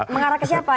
mengarah ke siapa